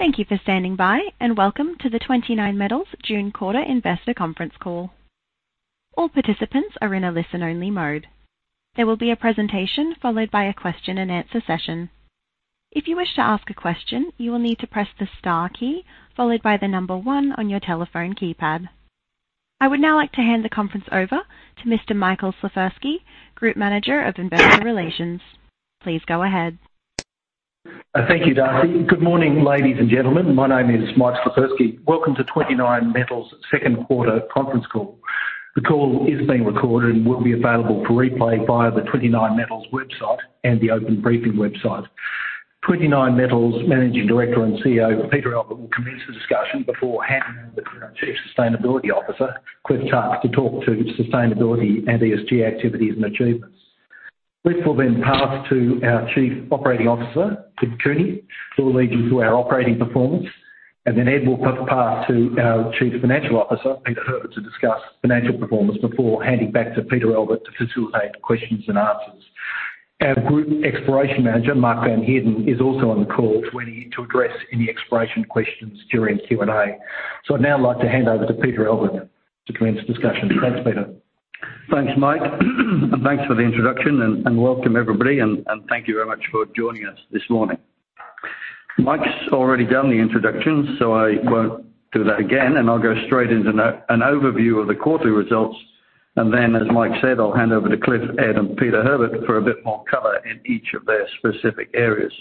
Thank you for standing by, and welcome to the 29Metals June quarter investor conference call. All participants are in a listen-only mode. There will be a presentation followed by a question-and-answer session. If you wish to ask a question, you will need to press the star key followed by the number one on your telephone keypad. I would now like to hand the conference over to Mr. Michael Slifirski, Group Manager of Investor Relations. Please go ahead. Thank you, Darcy. Good morning, ladies and gentlemen. My name is Mike Slifirski. Welcome to 29Metals' second quarter conference call. The call is being recorded and will be available for replay via the 29Metals website and the Open Briefing website. 29Metals Managing Director and CEO, Peter Albert, will commence the discussion before handing over to our Chief Sustainability Officer, Clifford Tuck, to talk to sustainability and ESG activities and achievements. Cliff will then pass to our Chief Operating Officer, Ed Cooney, who will lead you through our operating performance. Ed will pass to our Chief Financial Officer, Peter Herbert, to discuss financial performance before handing back to Peter Albert to facilitate questions and answers. Our Group Exploration Manager, Mark van Heerden, is also on the call, waiting to address any exploration questions during Q&A. I'd now like to hand over to Peter Albert to commence the discussion. Thanks, Peter. Thanks, Mike. Thanks for the introduction, welcome everybody, and thank you very much for joining us this morning. Mike's already done the introductions, so I won't do that again. I'll go straight into an overview of the quarterly results. Then, as Mike said, I'll hand over to Cliff, Ed, and Peter Herbert for a bit more color in each of their specific areas.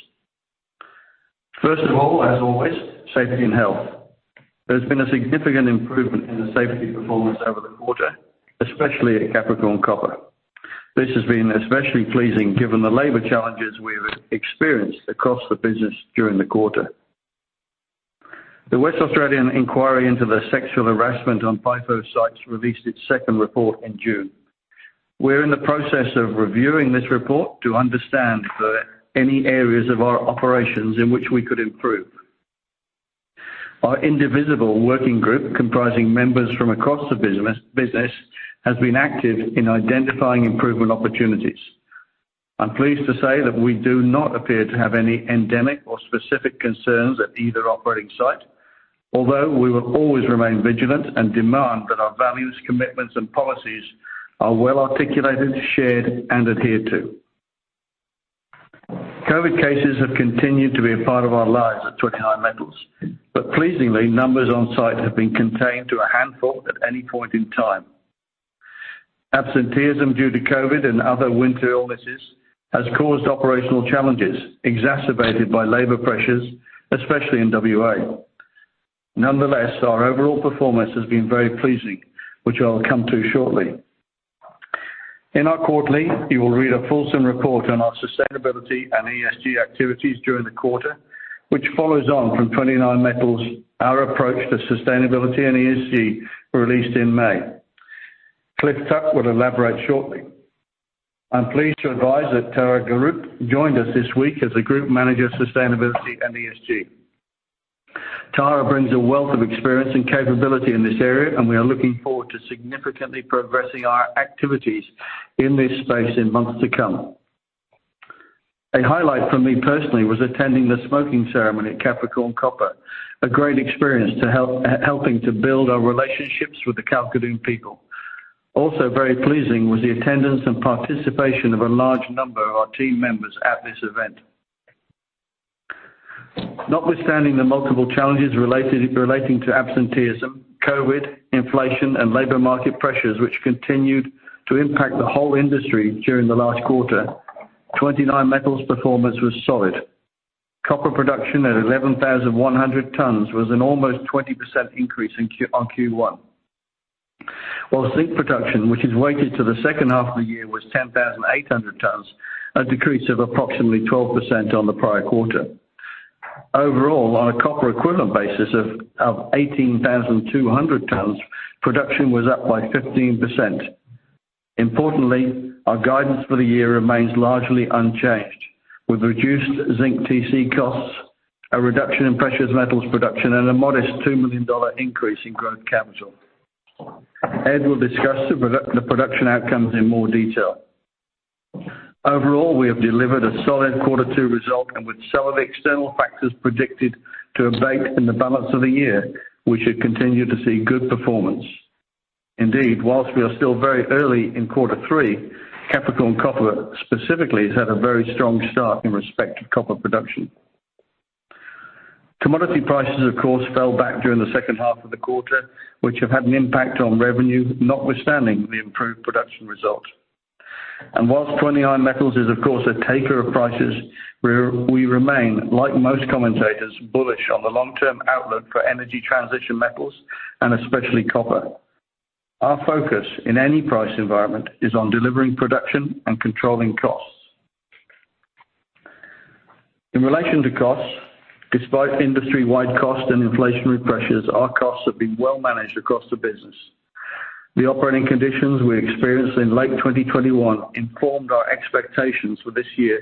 First of all, as always, safety and health. There's been a significant improvement in the safety performance over the quarter, especially at Capricorn Copper. This has been especially pleasing given the labor challenges we've experienced across the business during the quarter. The Western Australian inquiry into the sexual harassment on FIFO sites released its second report in June. We're in the process of reviewing this report to understand any areas of our operations in which we could improve. Our indigenous working group, comprising members from across the business, has been active in identifying improvement opportunities. I'm pleased to say that we do not appear to have any endemic or specific concerns at either operating site, although we will always remain vigilant and demand that our values, commitments, and policies are well-articulated, shared, and adhered to. COVID cases have continued to be a part of our lives at 29Metals, but pleasingly, numbers on-site have been contained to a handful at any point in time. Absenteeism due to COVID and other winter illnesses has caused operational challenges, exacerbated by labor pressures, especially in WA. Nonetheless, our overall performance has been very pleasing, which I'll come to shortly. In our quarterly, you will read a fulsome report on our sustainability and ESG activities during the quarter, which follows on from 29Metals' approach to sustainability and ESG, released in May. Clifford Tuck will elaborate shortly. I'm pleased to advise that Tara Garrood joined us this week as the Group Manager of Sustainability and ESG. Tara brings a wealth of experience and capability in this area, and we are looking forward to significantly progressing our activities in this space in months to come. A highlight for me personally was attending the smoking ceremony at Capricorn Copper, a great experience helping to build our relationships with the Kalkadoon people. Also very pleasing was the attendance and participation of a large number of our team members at this event. Notwithstanding the multiple challenges related to absenteeism, COVID, inflation, and labor market pressures which continued to impact the whole industry during the last quarter, 29Metals' performance was solid. Copper production at 11,100 tons was an almost 20% increase on Q1. While zinc production, which is weighted to the second half of the year, was 10,800 tons, a decrease of approximately 12% on the prior quarter. Overall, on a copper equivalent basis of eighteen thousand two hundred tons, production was up by 15%. Importantly, our guidance for the year remains largely unchanged, with reduced zinc TC costs, a reduction in precious metals production, and a modest 2 million dollar increase in growth capital. Ed will discuss the production outcomes in more detail. Overall, we have delivered a solid quarter two result, and with some of the external factors predicted to abate in the balance of the year, we should continue to see good performance. Indeed, while we are still very early in quarter three, Capricorn Copper specifically has had a very strong start in respect to copper production. Commodity prices, of course, fell back during the second half of the quarter, which have had an impact on revenue, notwithstanding the improved production result. While 29Metals is, of course, a taker of prices, we remain, like most commentators, bullish on the long-term outlook for energy transition metals and especially copper. Our focus in any price environment is on delivering production and controlling costs. In relation to costs, despite industry-wide cost and inflationary pressures, our costs have been well managed across the business. The operating conditions we experienced in late 2021 informed our expectations for this year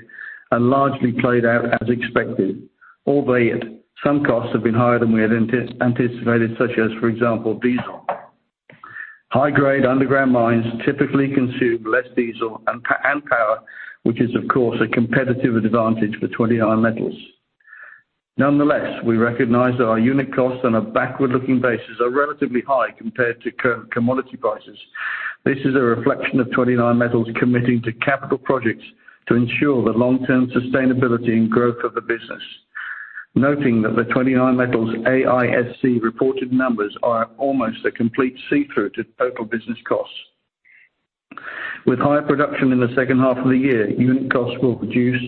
and largely played out as expected, albeit some costs have been higher than we had anticipated, such as, for example, diesel. High-grade underground mines typically consume less diesel and power, which is, of course, a competitive advantage for 29Metals. Nonetheless, we recognize that our unit costs on a backward-looking basis are relatively high compared to commodity prices. This is a reflection of 29Metals committing to capital projects to ensure the long-term sustainability and growth of the business. Noting that the 29Metals AISC reported numbers are almost a complete see-through to total business costs. With higher production in the second half of the year, unit costs will reduce,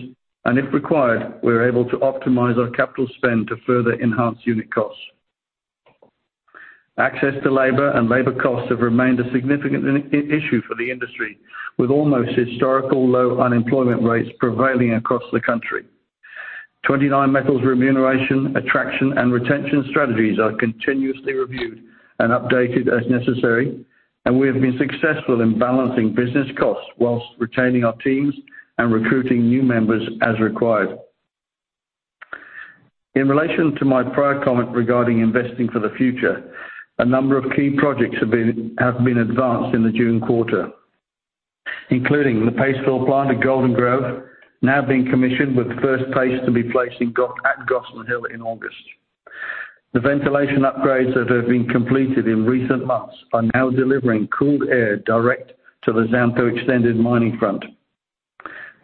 and if required, we're able to optimize our capital spend to further enhance unit costs. Access to labor and labor costs have remained a significant issue for the industry, with historically low unemployment rates prevailing across the country. 29Metals remuneration, attraction, and retention strategies are continuously reviewed and updated as necessary, and we have been successful in balancing business costs whilst retaining our teams and recruiting new members as required. In relation to my prior comment regarding investing for the future, a number of key projects have been advanced in the June quarter, including the paste fill plant at Golden Grove now being commissioned with the first paste to be placed at Gossan Hill in August. The ventilation upgrades that have been completed in recent months are now delivering cooled air direct to the Xantho Extended mining front.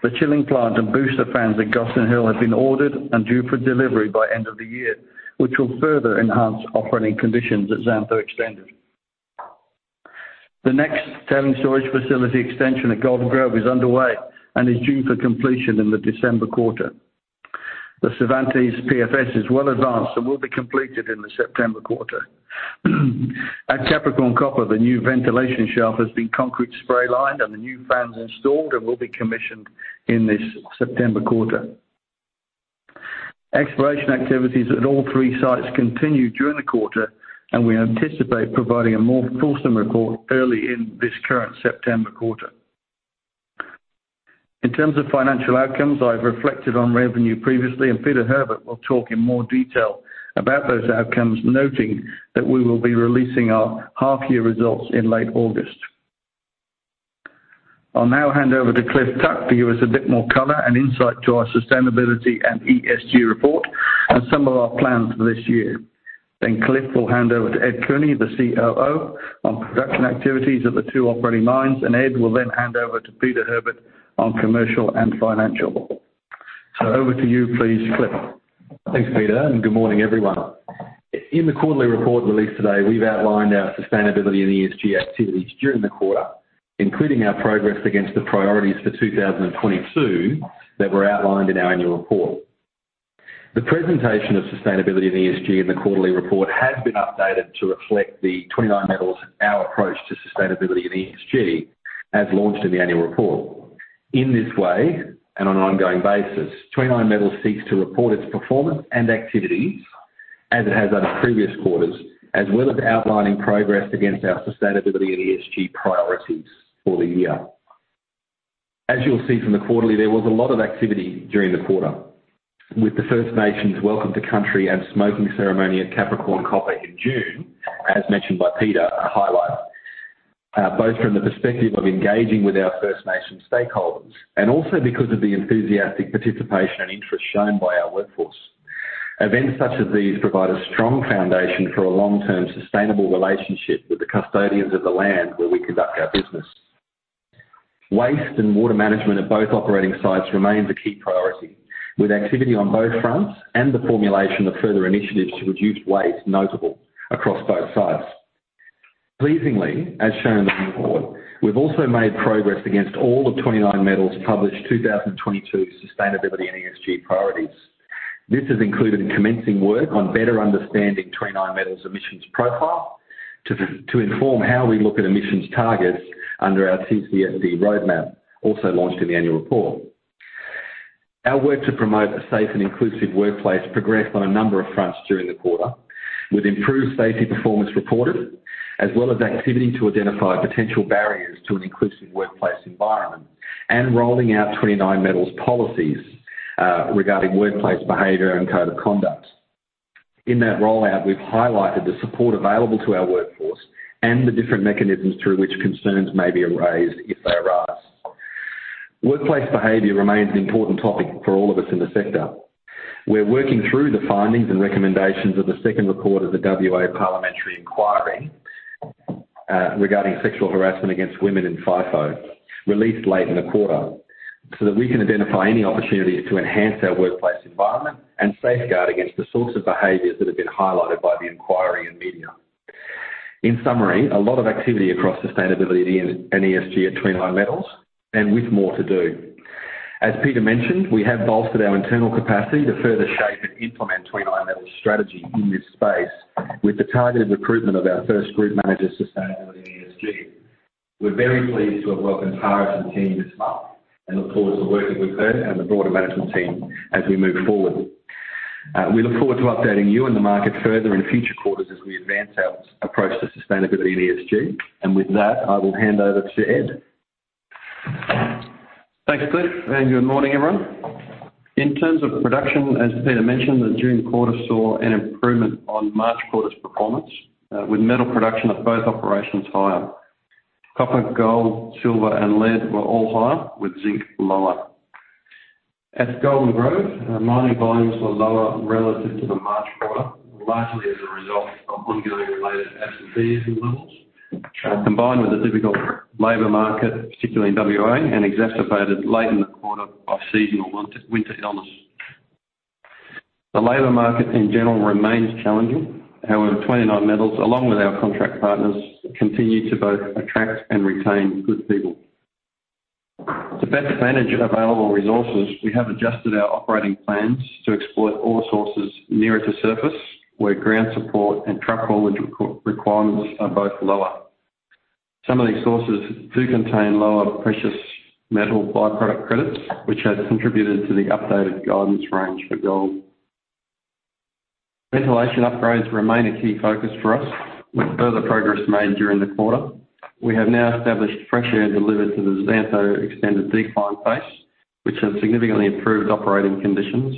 The chilling plant and booster fans at Gossan Hill have been ordered and due for delivery by end of the year, which will further enhance operating conditions at Xantho Extended. The next tailings storage facility extension at Golden Grove is underway and is due for completion in the December quarter. The Cervantes PFS is well advanced and will be completed in the September quarter. At Capricorn Copper, the new ventilation shelf has been concrete spray lined and the new fans installed and will be commissioned in this September quarter. Exploration activities at all three sites continued during the quarter, and we anticipate providing a more fulsome report early in this current September quarter. In terms of financial outcomes, I've reflected on revenue previously and Peter Herbert will talk in more detail about those outcomes, noting that we will be releasing our half-year results in late August. I'll now hand over to Clifford Tuck to give us a bit more color and insight to our sustainability and ESG report and some of our plans for this year. Then Cliff will hand over to Ed Cooney, the COO, on production activities at the two operating mines, and Ed will then hand over to Peter Herbert on commercial and financial. Over to you please, Cliff. Thanks, Peter, and good morning, everyone. In the quarterly report released today, we've outlined our sustainability and ESG activities during the quarter, including our progress against the priorities for 2022 that were outlined in our annual report. The presentation of sustainability and ESG in the quarterly report has been updated to reflect the 29Metals' Our Approach to Sustainability and ESG, as launched in the annual report. In this way, and on an ongoing basis, 29Metals seeks to report its performance and activities as it has under previous quarters, as well as outlining progress against our sustainability and ESG priorities for the year. As you'll see from the quarterly, there was a lot of activity during the quarter. With the First Nations Welcome to Country and Smoking Ceremony at Capricorn Copper in June, as mentioned by Peter, a highlight, both from the perspective of engaging with our First Nations stakeholders and also because of the enthusiastic participation and interest shown by our workforce. Events such as these provide a strong foundation for a long-term sustainable relationship with the custodians of the land where we conduct our business. Waste and water management at both operating sites remains a key priority, with activity on both fronts and the formulation of further initiatives to reduce waste notable across both sites. Pleasingly, as shown on the report, we've also made progress against all of 29Metals' published 2022 sustainability and ESG priorities. This has included commencing work on better understanding 29Metals' emissions profile to inform how we look at emissions targets under our TCFD roadmap, also launched in the annual report. Our work to promote a safe and inclusive workplace progressed on a number of fronts during the quarter, with improved safety performance reported, as well as activity to identify potential barriers to an inclusive workplace environment and rolling out 29Metals policies, regarding workplace behavior and code of conduct. In that rollout, we've highlighted the support available to our workforce and the different mechanisms through which concerns may be raised if they arise. Workplace behavior remains an important topic for all of us in the sector. We're working through the findings and recommendations of the second report of the WA Parliamentary inquiry regarding sexual harassment against women in FIFO, released late in the quarter, so that we can identify any opportunities to enhance our workplace environment and safeguard against the sorts of behaviors that have been highlighted by the inquiry and media. In summary, a lot of activity across sustainability and ESG at 29Metals, and with more to do. As Peter mentioned, we have bolstered our internal capacity to further shape and implement 29Metals' strategy in this space with the targeted recruitment of our first Group Manager, Sustainability and ESG. We're very pleased to have welcomed Tara to the spot and look forward to working with her and the broader management team as we move forward. We look forward to updating you and the market further in future quarters as we advance our approach to sustainability and ESG. With that, I will hand over to Ed. Thanks, Cliff, and good morning, everyone. In terms of production, as Peter mentioned, the June quarter saw an improvement on March quarter's performance, with metal production of both operations higher. Copper, gold, silver, and lead were all higher, with zinc lower. At Golden Grove, our mining volumes were lower relative to the March quarter, largely as a result of ongoing related absenteeism levels, combined with the difficult labor market, particularly in WA, and exacerbated late in the quarter by seasonal winter illness. The labor market in general remains challenging. However, 29Metals, along with our contract partners, continue to both attract and retain good people. To best advantage of available resources, we have adjusted our operating plans to exploit ore sources nearer to surface, where ground support and truck haulage requirements are both lower. Some of these sources do contain lower precious metal by-product credits, which has contributed to the updated guidance range for gold. Ventilation upgrades remain a key focus for us, with further progress made during the quarter. We have now established fresh air delivered to the Xantho Extended decline phase, which has significantly improved operating conditions.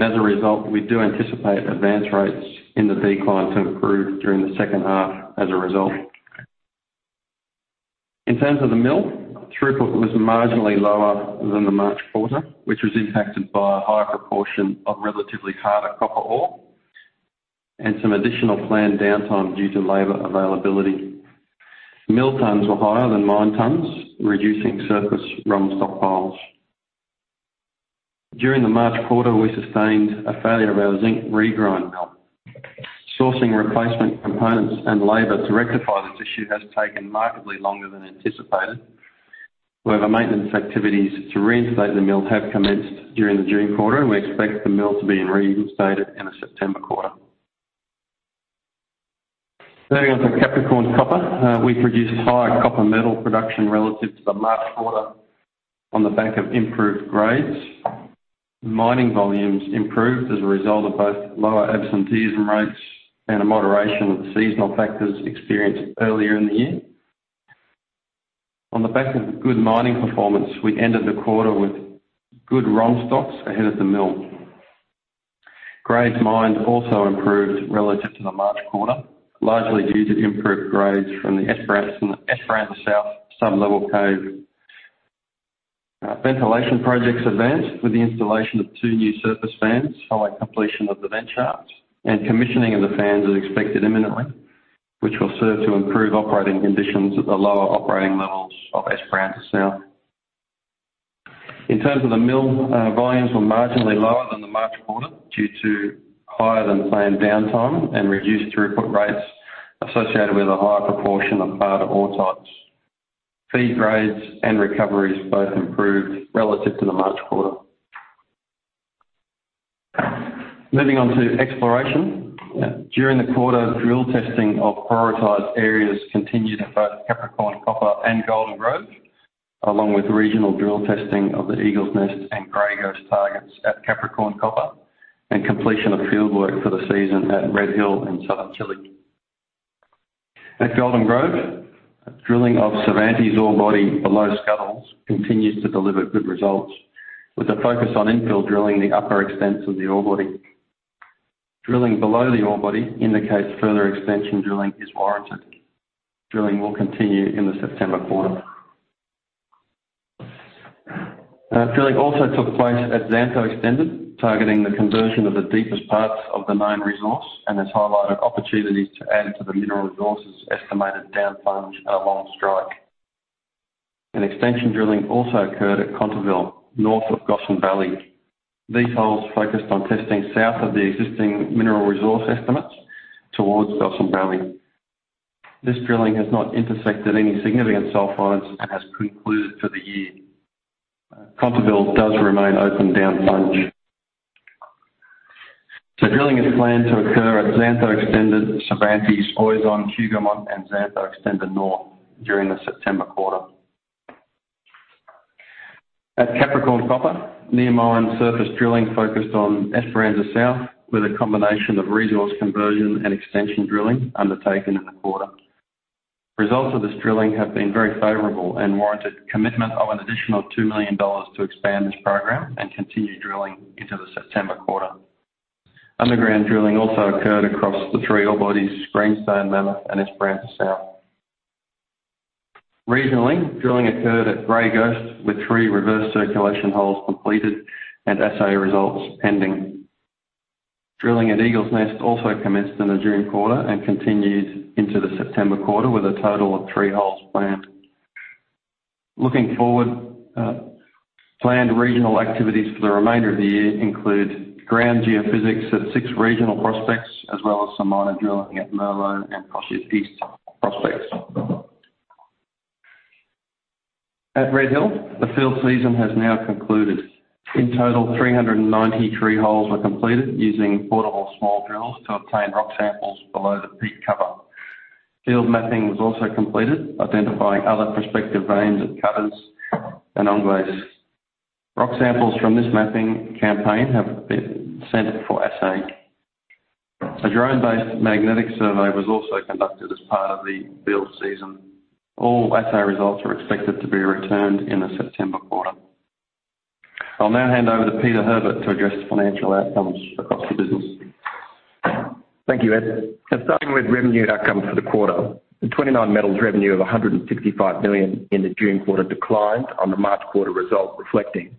As a result, we do anticipate advance rates in the decline to improve during the second half as a result. In terms of the mill, throughput was marginally lower than the March quarter, which was impacted by a higher proportion of relatively harder copper ore and some additional planned downtime due to labor availability. Mill tonnes were higher than mine tonnes, reducing surplus ROM stockpiles. During the March quarter, we sustained a failure of our zinc regrind mill. Sourcing replacement components and labor to rectify this issue has taken markedly longer than anticipated. However, maintenance activities to reinstate the mill have commenced during the June quarter, and we expect the mill to be reinstated in the September quarter. Moving on to Capricorn Copper. We produced higher copper metal production relative to the March quarter on the back of improved grades. Mining volumes improved as a result of both lower absenteeism rates and a moderation of the seasonal factors experienced earlier in the year. On the back of good mining performance, we ended the quarter with good ROM stocks ahead of the mill. Grades mined also improved relative to the March quarter, largely due to improved grades from the Esperanza South sub-level cave. Ventilation projects advanced with the installation of two new surface fans following completion of the vent shaft. Commissioning of the fans is expected imminently, which will serve to improve operating conditions at the lower operating levels of Esperanza South. In terms of the mill, volumes were marginally lower than the March quarter due to higher than planned downtime and reduced throughput rates associated with a higher proportion of harder ore types. Feed grades and recoveries both improved relative to the March quarter. Moving on to exploration. During the quarter, drill testing of prioritized areas continued at both Capricorn Copper and Golden Grove, along with regional drill testing of the Eagle's Nest and Grey Ghost targets at Capricorn Copper, and completion of field work for the season at Redhill and Southern Chile. At Golden Grove, drilling of Cervantes ore body below Scuddles continues to deliver good results, with a focus on infill drilling the upper extents of the ore body. Drilling below the ore body indicates further expansion drilling is warranted. Drilling will continue in the September quarter. Drilling also took place at Xantho Extended, targeting the conversion of the deepest parts of the known resource and has highlighted opportunities to add to the mineral resource's estimated down plunge, along strike. Extension drilling also occurred at Contabile, north of Gossan Valley. These holes focused on testing south of the existing mineral resource estimates towards Gossan Valley. This drilling has not intersected any significant sulfides and has concluded for the year. Contabile does remain open down plunge. Drilling is planned to occur at Xantho Extended, Cervantes, Oizon, Hougoumont, and Xantho Extended North during the September quarter. At Capricorn Copper, near-mine surface drilling focused on Esperanza South, with a combination of resource conversion and extension drilling undertaken in the quarter. Results of this drilling have been very favorable and warranted commitment of an additional 2 million dollars to expand this program and continue drilling into the September quarter. Underground drilling also occurred across the three ore bodies, Greenstone, Mammoth, and Esperanza South. Regionally, drilling occurred at Grey Ghost, with 3 reverse circulation holes completed and assay results pending. Drilling at Eagle's Nest also commenced in the June quarter and continues into the September quarter with a total of 3 holes planned. Looking forward, planned regional activities for the remainder of the year include ground geophysics at 6 regional prospects, as well as some minor drilling at Merlot and Crochettes East prospects. At Redhill, the field season has now concluded. In total, 393 holes were completed using portable small drills to obtain rock samples below the peat cover. Field mapping was also completed, identifying other prospective veins at Cutters and [Onguis.] Rock samples from this mapping campaign have been sent for assay. A drone-based magnetic survey was also conducted as part of the field season. All assay results are expected to be returned in the September quarter. I'll now hand over to Peter Herbert to address financial outcomes across the business. Thank you, Ed. Now starting with revenue outcome for the quarter. The 29Metals revenue of 165 million in the June quarter declined on the March quarter result, reflecting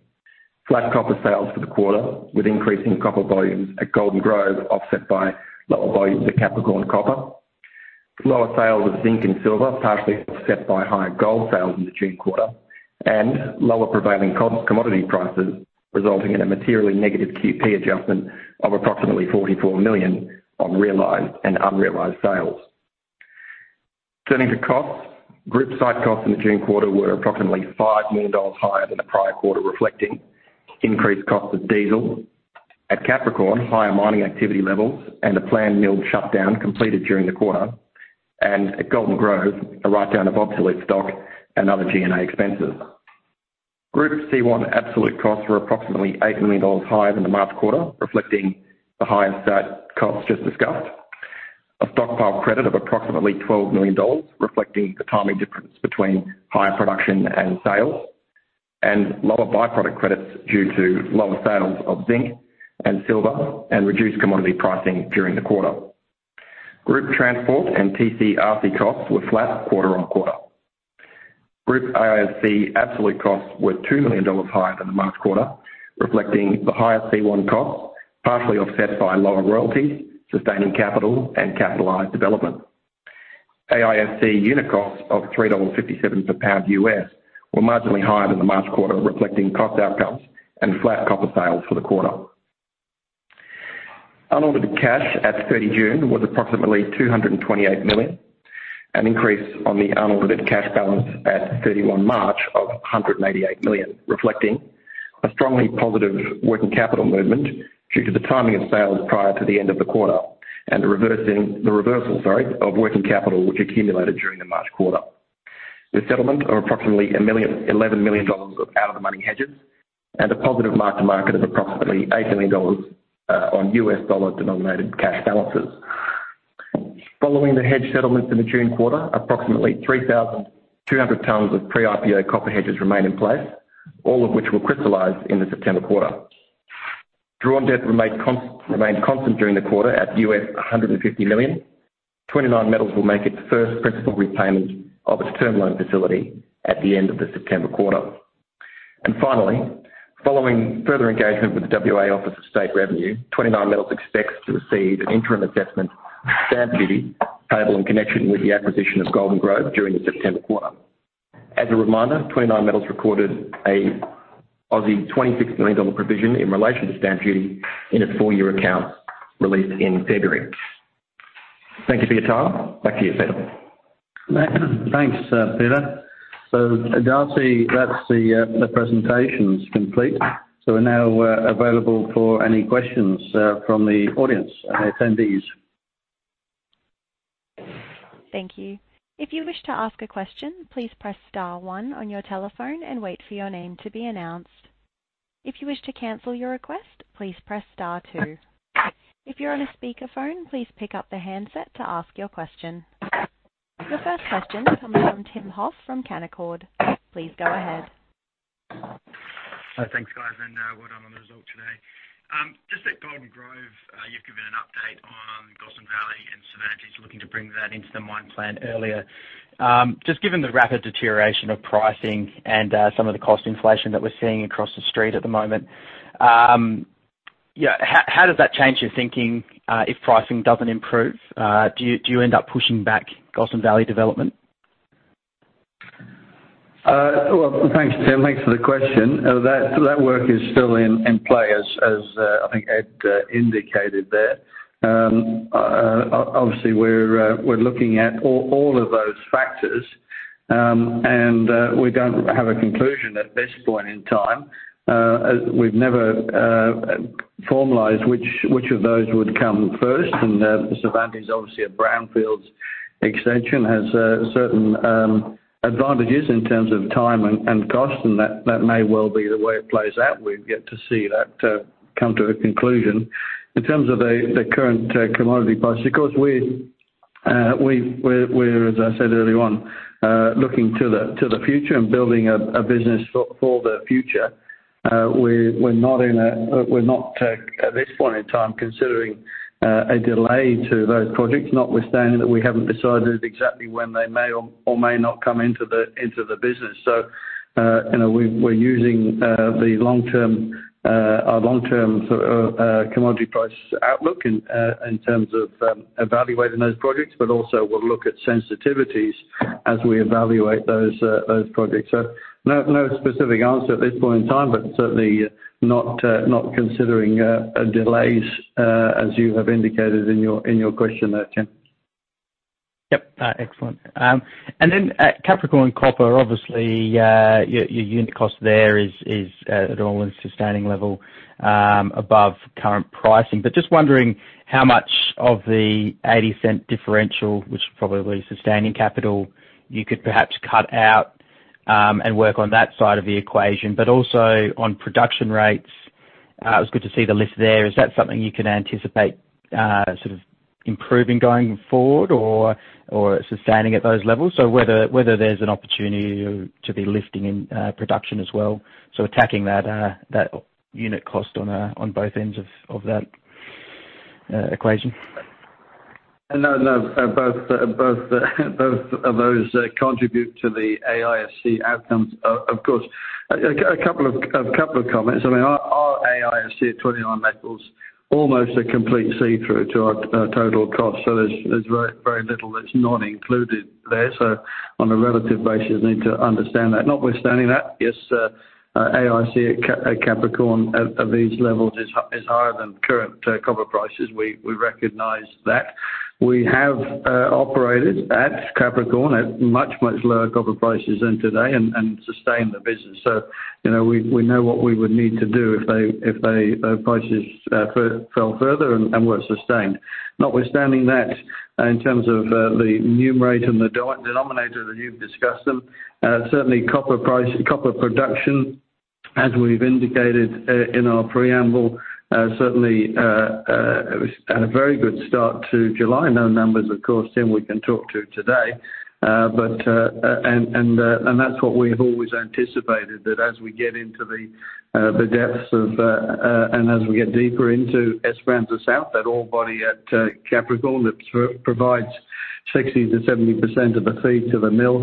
flat copper sales for the quarter, with increasing copper volumes at Golden Grove offset by lower volumes at Capricorn Copper. Lower sales of zinc and silver, partially offset by higher gold sales in the June quarter. Lower prevailing copper commodity prices, resulting in a materially negative QP adjustment of approximately 44 million on realized and unrealized sales. Turning to costs. Group site costs in the June quarter were approximately 5 million dollars higher than the prior quarter, reflecting increased cost of diesel. At Capricorn, higher mining activity levels and a planned mill shutdown completed during the quarter. At Golden Grove, a write-down of obsolete stock and other G&A expenses. Group C1 absolute costs were approximately 8 million dollars higher than the March quarter, reflecting the higher site costs just discussed. A stockpile credit of approximately 12 million dollars, reflecting the timing difference between higher production and sales. Lower by-product credits due to lower sales of zinc and silver and reduced commodity pricing during the quarter. Group transport and TC/RC costs were flat quarter-on-quarter. Group AISC absolute costs were 2 million dollars higher than the March quarter, reflecting the higher C1 costs, partially offset by lower royalties, sustaining capital, and capitalized development. AISC unit costs of $3.57 per pound U.S. were marginally higher than the March quarter, reflecting cost outcomes and flat copper sales for the quarter. Unaudited cash at 30 June was approximately 228 million, an increase on the unaudited cash balance at 31 March of 188 million. Reflecting a strongly positive working capital movement due to the timing of sales prior to the end of the quarter. The reversal of working capital which accumulated during the March quarter. The settlement of approximately $11 million of out of the money hedges and a positive mark-to-market of approximately $8 million on U.S. dollar-denominated cash balances. Following the hedge settlements in the June quarter, approximately 3,200 tons of pre-IPO copper hedges remain in place, all of which will crystallize in the September quarter. Draw on debt remained constant during the quarter at $150 million. 29Metals will make its first principal repayment of its term loan facility at the end of the September quarter. Finally, following further engagement with the WA Office of State Revenue, 29Metals expects to receive an interim assessment stamp duty payable in connection with the acquisition of Golden Grove during the September quarter. As a reminder, 29Metals recorded an 26 million Aussie dollars provision in relation to stamp duty in its full-year account released in February. Thank you for your time. Back to you, Ed. Thanks, Peter. Darcy, that's the presentations complete. We're now available for any questions from the audience, attendees. Thank you. If you wish to ask a question, please press star one on your telephone and wait for your name to be announced. If you wish to cancel your request, please press star two. If you're on a speakerphone, please pick up the handset to ask your question. The first question comes from Tim Hoff from Canaccord. Please go ahead. Thanks, guys, and well done on the result today. Just at Golden Grove, you've given an update on Gossan Valley, and Xantho is looking to bring that into the mine plan earlier. Just given the rapid deterioration of pricing and some of the cost inflation that we're seeing across the street at the moment, yeah, how does that change your thinking, if pricing doesn't improve? Do you end up pushing back Gossan Valley development? Well, thanks, Tim. Thanks for the question. That work is still in play as I think Ed indicated there. Obviously, we're looking at all of those factors. We don't have a conclusion at this point in time. As we've never formalized which of those would come first. The Xantho is obviously a brownfield extension has certain advantages in terms of time and cost, and that may well be the way it plays out. We get to see that come to a conclusion. In terms of the current commodity price, of course, we're, as I said earlier on, looking to the future and building a business for the future. We're not at this point in time considering a delay to those projects, notwithstanding that we haven't decided exactly when they may or may not come into the business. You know, we're using our long-term commodity price outlook in terms of evaluating those projects, but also we'll look at sensitivities as we evaluate those projects. No specific answer at this point in time, but certainly not considering delays as you have indicated in your question there, Tim. Yep. Excellent. At Capricorn Copper, obviously, your unit cost there is at all-in sustaining level above current pricing. Just wondering how much of the 0.80 differential, which is probably sustaining capital, you could perhaps cut out, and work on that side of the equation, but also on production rates. It was good to see the lifts there. Is that something you can anticipate sort of improving going forward or sustaining at those levels? Whether there's an opportunity to be lifting in production as well. Attacking that unit cost on both ends of that equation. No. Both of those contribute to the AISC outcomes, of course. A couple of comments. I mean, our AISC at 29Metals almost a complete see-through to our total cost. There's very little that's not included there. On a relative basis, need to understand that. Notwithstanding that, yes, AISC at Capricorn at these levels is higher than current copper prices. We recognize that. We have operated at Capricorn at much lower copper prices than today and sustained the business. You know, we know what we would need to do if the prices fell further and were sustained. Notwithstanding that, in terms of the numerator and the denominator that you've discussed them, certainly copper production, as we've indicated in our preamble, was at a very good start to July. No numbers, of course, Tim, we can talk to today. That's what we have always anticipated, that as we get into the depths and as we get deeper into Esperanza South, that ore body at Capricorn that provides 60%-70% of the feed to the mill,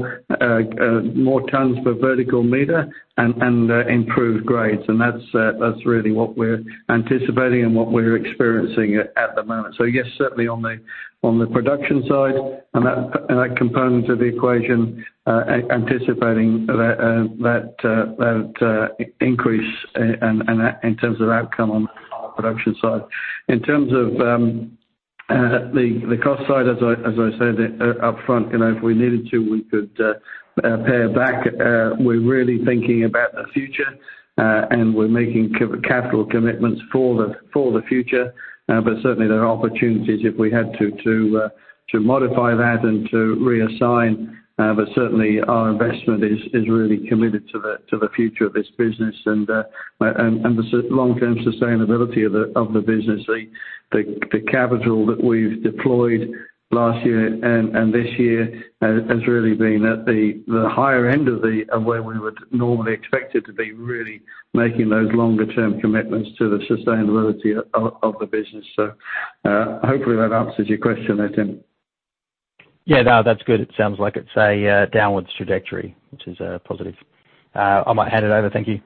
more tons per vertical meter and improved grades. That's really what we're anticipating and what we're experiencing at the moment. Yes, certainly on the production side and that component of the equation, anticipating that increase, and in terms of outcome on our production side. In terms of the cost side, as I said upfront, you know, if we needed to, we could pare back. We're really thinking about the future, and we're making capital commitments for the future. Certainly there are opportunities if we had to modify that and to reassign. Certainly our investment is really committed to the future of this business and the long-term sustainability of the business. The capital that we've deployed last year and this year has really been at the higher end of where we would normally expect it to be, really making those longer term commitments to the sustainability of the business. Hopefully that answers your question there, Tim. Yeah. No, that's good. It sounds like it's a downward trajectory, which is a positive. I might hand it over. Thank you.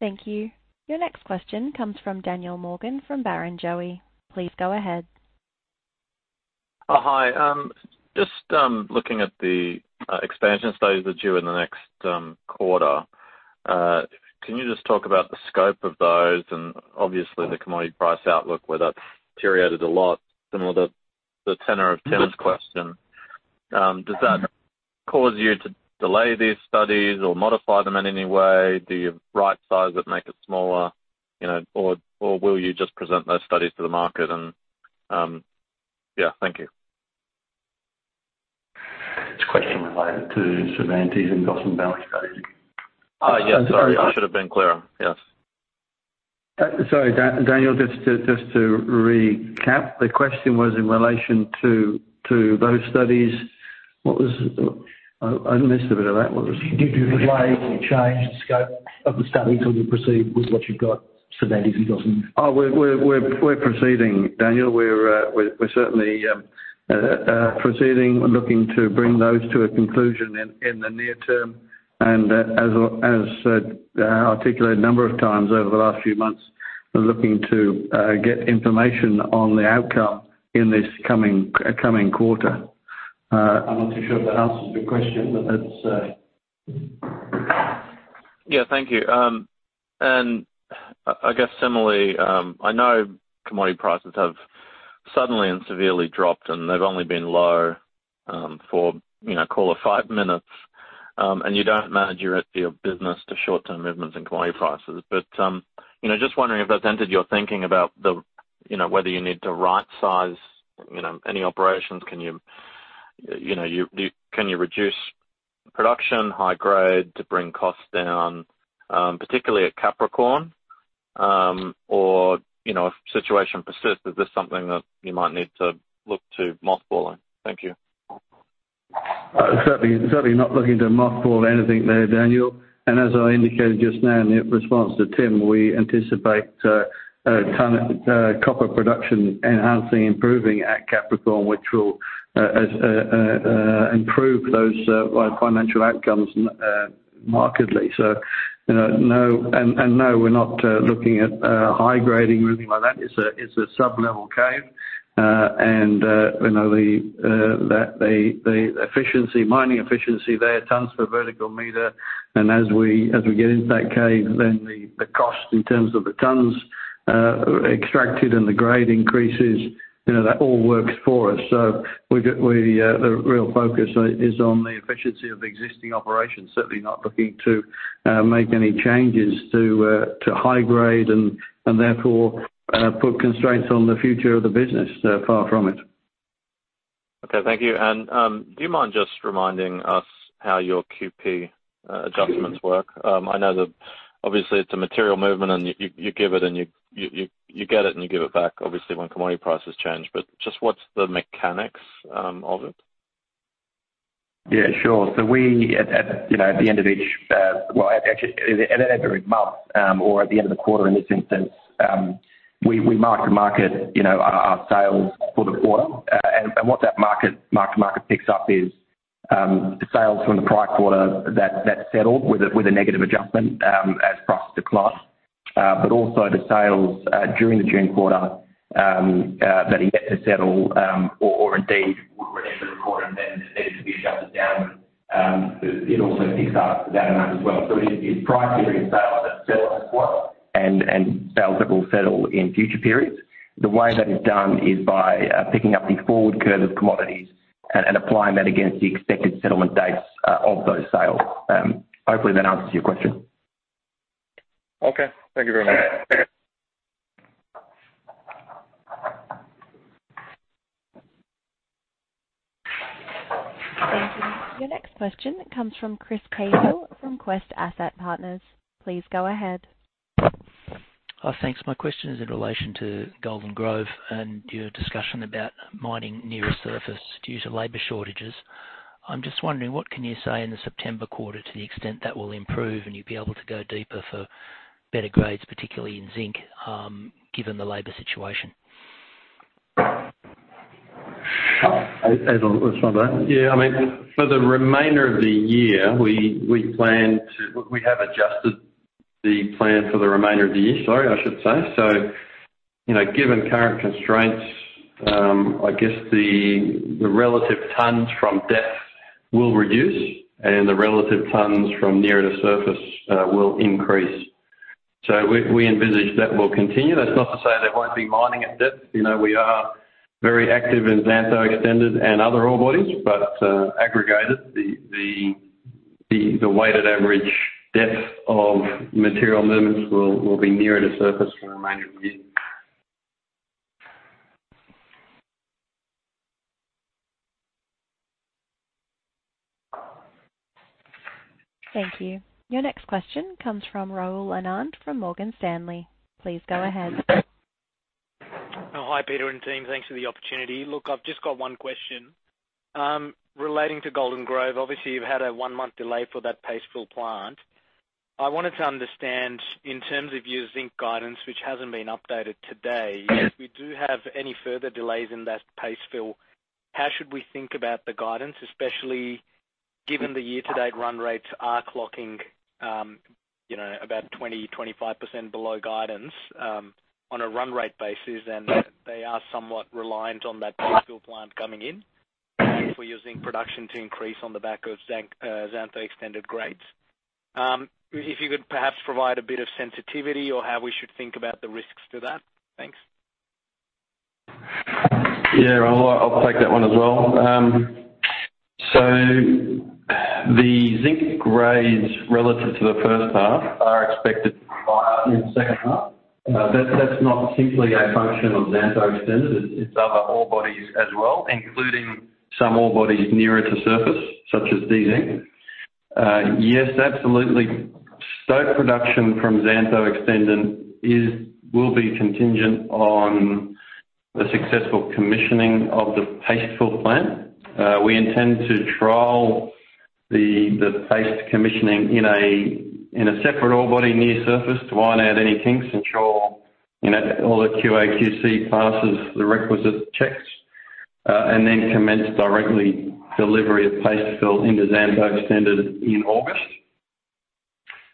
Thank you. Your next question comes from Daniel Morgan, from Barrenjoey. Please go ahead. Oh, hi. Just looking at the expansion studies that are due in the next quarter, can you just talk about the scope of those and obviously the commodity price outlook, where that's deteriorated a lot similar to the tenor of Tim's question? Does that cause you to delay these studies or modify them in any way? Do you rightsize it, make it smaller? You know, or will you just present those studies to the market and? Yeah. Thank you. It's a question related to Cervantes and Gossan Valley strategy. Oh, yeah. Sorry. I should have been clearer. Yes. Sorry, Daniel, just to recap, the question was in relation to those studies. I missed a bit of that. Did you delay or change the scope of the studies, or do you proceed with what you've got, Capricorn Copper and Gossan? Oh, we're proceeding, Daniel. We're certainly proceeding. We're looking to bring those to a conclusion in the near term. As articulated a number of times over the last few months, we're looking to get information on the outcome in this coming quarter. I'm not too sure if that answers your question, but that's. Yeah. Thank you. I guess similarly, I know commodity prices have suddenly and severely dropped, and they've only been low for, you know, call it five minutes. You don't manage your business to short-term movements in commodity prices. But you know, just wondering if that's entered your thinking about the you know, whether you need to rightsize you know, any operations. Can you reduce production, high grade to bring costs down, particularly at Capricorn? Or you know, if situation persists, is this something that you might need to look to mothballing? Thank you. Certainly not looking to mothball anything there, Daniel. As I indicated just now in response to Tim, we anticipate copper production enhancing, improving at Capricorn, which will as improve those financial outcomes markedly. You know, no. And no, we're not looking at high grading or anything like that. It's a sub-level cave. And you know, the efficiency, mining efficiency there, tons per vertical meter. As we get into that cave, then the cost in terms of the tons extracted and the grade increases, you know, that all works for us. The real focus is on the efficiency of existing operations. Certainly not looking to make any changes to high grade and therefore put constraints on the future of the business. Far from it. Okay, thank you. Do you mind just reminding us how your QP adjustments work? I know that obviously it's a material movement, and you give it and you get it and you give it back, obviously, when commodity prices change, but just what's the mechanics of it? Yeah, sure. We at the end of each, well, actually, at every month, or at the end of the quarter in this instance, we mark to market, you know, our sales for the quarter. What that mark to market picks up is the sales from the prior quarter that settled with a negative adjustment as prices declined. But also the sales during the June quarter that are yet to settle, or indeed were already recorded and then needed to be adjusted down, it also picks up that amount as well. It's prior period sales that settle as well and sales that will settle in future periods. The way that is done is by picking up the forward curve of commodities and applying that against the expected settlement dates of those sales. Hopefully that answers your question. Okay. Thank you very much. Thank you. Your next question comes from Chris Cahill from Quest Asset Partners. Please go ahead. Oh, thanks. My question is in relation to Golden Grove and your discussion about mining nearest surface due to labor shortages. I'm just wondering, what can you say in the September quarter to the extent that will improve and you'll be able to go deeper for better grades, particularly in zinc, given the labor situation? Oh, Ed, want to respond to that? Yeah, I mean, for the remainder of the year, we have adjusted the plan for the remainder of the year, sorry, I should say. You know, given current constraints, I guess the relative tonnes from depth will reduce and the relative tonnes from nearer the surface will increase. We envisage that will continue. That's not to say there won't be mining at depth. You know, we are very active in Xantho Extended and other ore bodies. Aggregated, the weighted average depth of material movements will be nearer the surface for the remainder of the year. Thank you. Your next question comes from Rahul Anand from Morgan Stanley. Please go ahead. Oh, hi, Peter and team. Thanks for the opportunity. Look, I've just got one question relating to Golden Grove. Obviously, you've had a one-month delay for that paste fill plant. I wanted to understand in terms of your zinc guidance, which hasn't been updated today, if we do have any further delays in that paste fill, how should we think about the guidance, especially given the year-to-date run rates are clocking, you know, about 20-25% below guidance on a run rate basis, and they are somewhat reliant on that paste fill plant coming in for your zinc production to increase on the back of Xantho Extended grades? If you could perhaps provide a bit of sensitivity or how we should think about the risks to that. Thanks. Yeah, Rahul. I'll take that one as well. The zinc grades relative to the first half are expected to rise in the second half. That's not simply a function of Xantho Extended. It's other ore bodies as well, including some ore bodies nearer to surface, such as D-Zinc. Yes, absolutely. Stope production from Xantho Extended will be contingent on the successful commissioning of the paste fill plant. We intend to trial the paste commissioning in a separate ore body near surface to iron out any kinks, ensure, you know, all the QAQC passes the requisite checks, and then commence direct delivery of paste fill into Xantho Extended in August.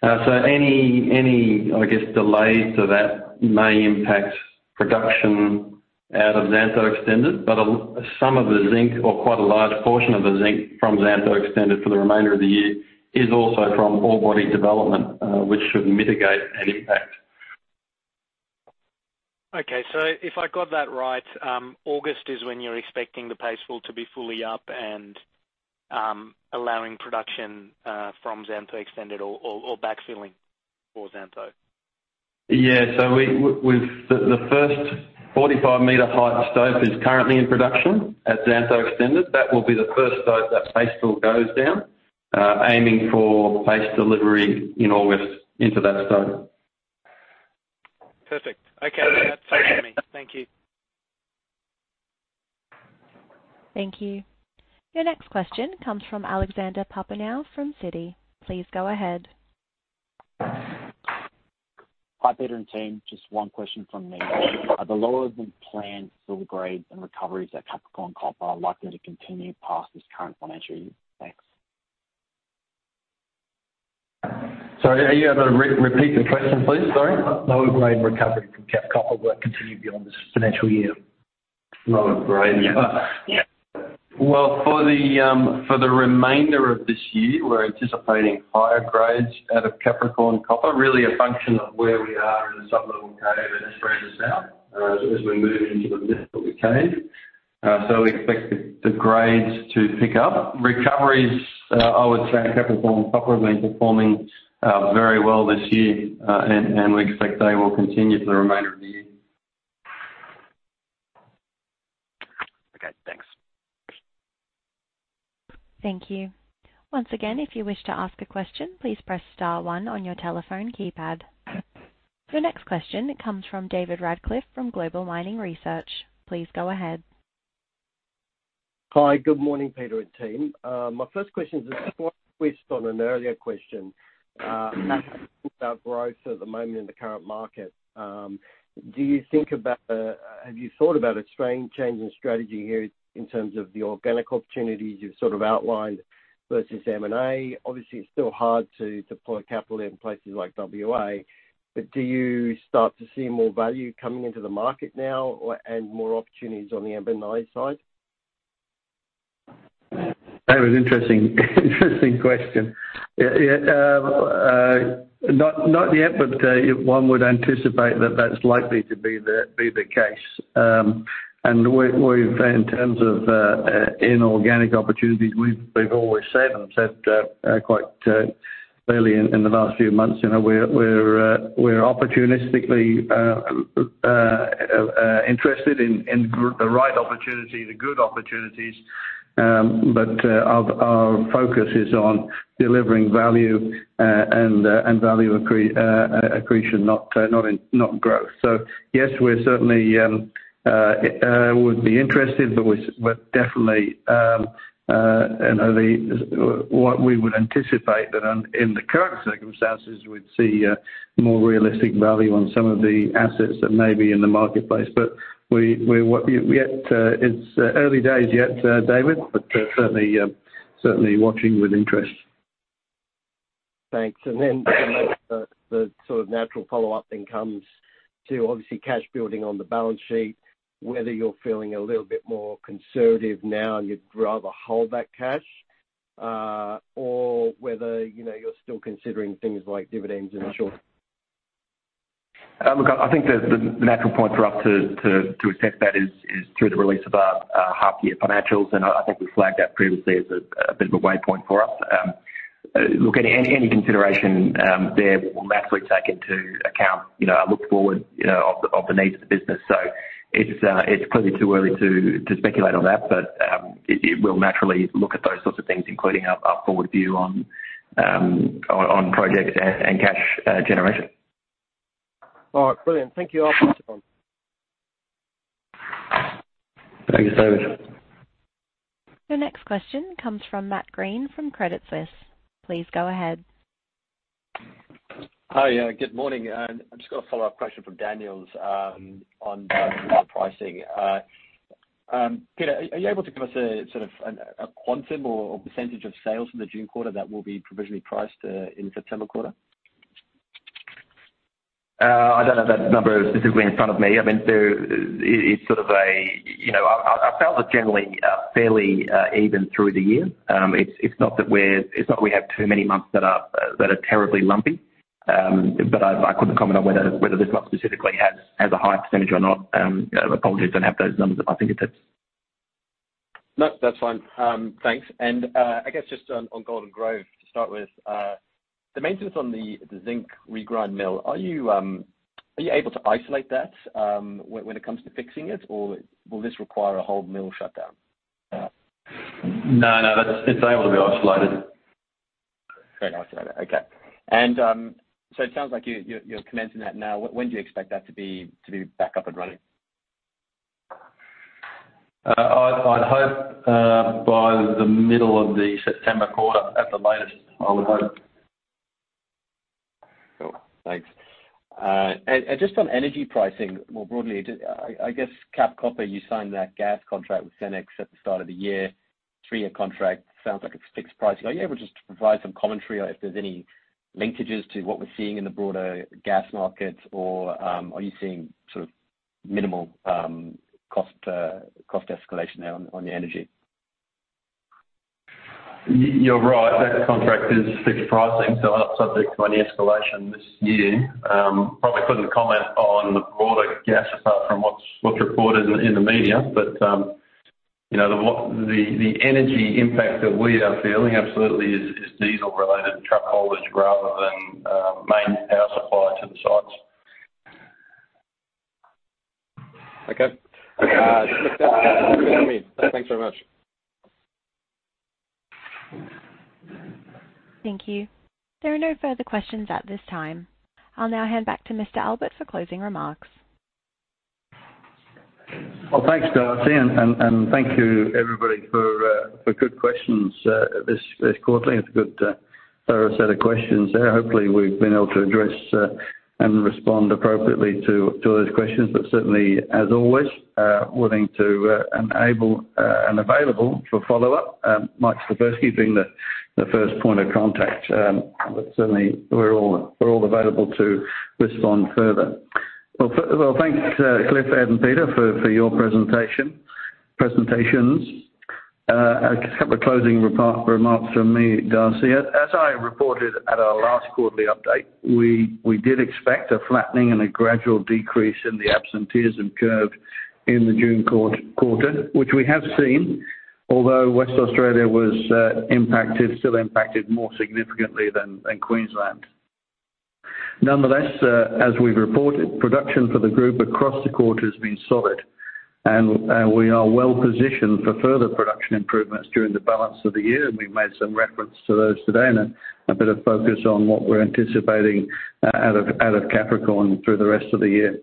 Any delays to that may impact production out of Xantho Extended, but some of the zinc or quite a large portion of the zinc from Xantho Extended for the remainder of the year is also from ore body development, which should mitigate any impact. Okay, if I got that right, August is when you're expecting the paste fill to be fully up and allowing production from Xantho Extended or backfilling for Xantho. Yeah. We've. The first 45-meter height stope is currently in production at Xantho Extended. That will be the first stope that paste fill goes down, aiming for paste delivery in August into that stope. Perfect. Okay. Well, that's clear to me. Thank you. Thank you. Your next question comes from Alex Papaioanou from Citi. Please go ahead. Hi, Peter and team. Just one question from me. Are the lower than planned mill grades and recoveries at Capricorn Copper likely to continue past this current financial year? Thanks. Are you able to repeat the question, please? Sorry. Lower grade recovery from Capricorn Copper will it continue beyond this financial year? Lower grade? Yeah. Well, for the remainder of this year, we're anticipating higher grades out of Capricorn Copper, really a function of where we are in the sub-level cave and Esperanza South, as we move into the middle of the cave. We expect the grades to pick up. Recoveries, I would say Capricorn Copper has been performing very well this year, and we expect they will continue for the remainder of the year. Okay, thanks. Thank you. Once again, if you wish to ask a question, please press star one on your telephone keypad. The next question comes from David Radclyffe from Global Mining Research. Please go ahead. Hi, good morning, Peter and team. My first question is just one twist on an earlier question about growth at the moment in the current market. Have you thought about extreme change in strategy here in terms of the organic opportunities you've sort of outlined versus M&A? Obviously, it's still hard to deploy capital in places like WA. Do you start to see more value coming into the market now or, and more opportunities on the M&A side? That was interesting question. Yeah, not yet, but one would anticipate that that's likely to be the case. We're in terms of inorganic opportunities, we've always said and said quite clearly in the last few months, you know, we're opportunistically interested in the right opportunity, the good opportunities. But our focus is on delivering value and value accretion, not growth. Yes, we're certainly would be interested, but we're definitely you know what we would anticipate that in the current circumstances, we'd see more realistic value on some of the assets that may be in the marketplace. It's early days yet, David, but certainly watching with interest. Thanks. The sort of natural follow-up then comes to obviously cash building on the balance sheet, whether you're feeling a little bit more conservative now and you'd rather hold that cash, or whether, you know, you're still considering things like dividends in the short term. Look, I think the natural point for us to accept that is through the release of our half-year financials. I think we flagged that previously as a bit of a waypoint for us. Look, any consideration there will naturally take into account, you know, a look forward, you know, of the needs of the business. It's clearly too early to speculate on that, but it will naturally look at those sorts of things, including our forward view on projects and cash generation. All right, brilliant. Thank you. I'll pass it on. Thank you so much. The next question comes from Matt Greene from Credit Suisse. Please go ahead. Hi. Good morning. I've just got a follow-up question from Daniel's on pricing. Peter, are you able to give us a sort of a quantum or percentage of sales in the June quarter that will be provisionally priced in the September quarter? I don't have that number specifically in front of me. I mean, there is sort of a, you know, our sales are generally fairly even through the year. It's not that we have too many months that are terribly lumpy. I couldn't comment on whether this month specifically has a higher percentage or not. Apologies, don't have those numbers at my fingertips. No, that's fine. Thanks. I guess just on Golden Grove to start with, the maintenance on the zinc regrind mill. Are you able to isolate that when it comes to fixing it? Or will this require a whole mill shutdown? No, no, that's it. It's able to be isolated. Very isolated. Okay. So it sounds like you're commencing that now. When do you expect that to be back up and running? I'd hope by the middle of the September quarter at the latest, I would hope. Cool. Thanks. Just on energy pricing, more broadly, I guess Capricorn Copper, you signed that gas contract with Senex at the start of the year. Three-year contract. Sounds like it's fixed pricing. Are you able just to provide some commentary or if there's any linkages to what we're seeing in the broader gas markets or, are you seeing sort of minimal cost escalation now on the energy? You're right. That contract is fixed pricing, so not subject to any escalation this year. Probably couldn't comment on the broader gas apart from what's reported in the media. You know, the energy impact that we are feeling absolutely is diesel related truck haulage rather than main power supply to the sites. Okay. Look, thanks very much. Thank you. There are no further questions at this time. I'll now hand back to Mr. Albert for closing remarks. Well, thanks, Darcy, and thank you, everybody, for good questions this quarterly. It's a good thorough set of questions there. Hopefully, we've been able to address and respond appropriately to those questions. Certainly, as always, willing to enable and available for follow-up. Mike Slifirski being the first point of contact. But certainly we're all available to respond further. Well, thanks, Cliff, Ed, and Peter for your presentations. A couple of closing remarks from me, Darcy. As I reported at our last quarterly update, we did expect a flattening and a gradual decrease in the absenteeism curve in the June quarter, which we have seen. Although Western Australia was impacted, still impacted more significantly than Queensland. Nonetheless, as we've reported, production for the group across the quarter has been solid, and we are well-positioned for further production improvements during the balance of the year, and we've made some reference to those today and a bit of focus on what we're anticipating out of Capricorn through the rest of the year.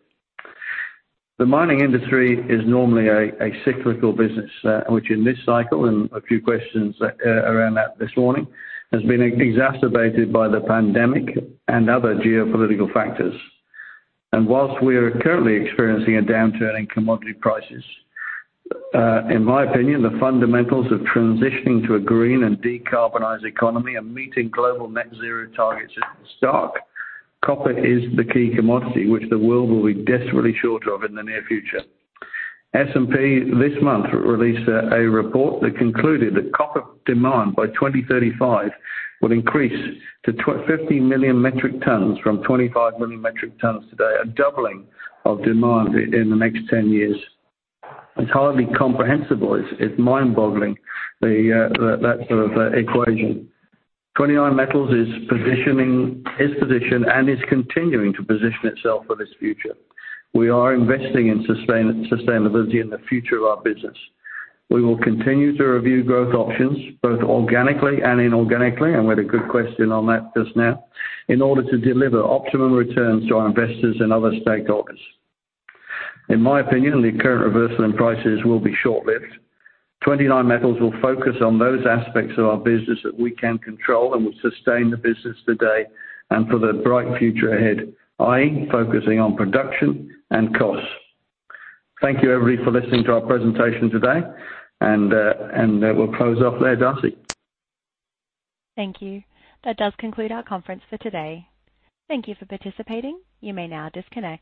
The mining industry is normally a cyclical business, which in this cycle, and a few questions around that this morning, has been exacerbated by the pandemic and other geopolitical factors. While we are currently experiencing a downturn in commodity prices, in my opinion, the fundamentals of transitioning to a green and decarbonized economy and meeting global net zero targets is stark. Copper is the key commodity which the world will be desperately short of in the near future. S&P this month released a report that concluded that copper demand by 2035 would increase to 50 million metric tons from 25 million metric tons today, a doubling of demand in the next ten years. It's hardly comprehensible. It's mind-boggling, that equation. 29Metals is positioned and is continuing to position itself for this future. We are investing in sustainability and the future of our business. We will continue to review growth options, both organically and inorganically, and we had a good question on that just now, in order to deliver optimum returns to our investors and other stakeholders. In my opinion, the current reversal in prices will be short-lived. 29Metals will focus on those aspects of our business that we can control and will sustain the business today and for the bright future ahead, i.e., focusing on production and costs. Thank you, everybody, for listening to our presentation today. We'll close off there, Darcy. Thank you. That does conclude our conference for today. Thank you for participating. You may now disconnect.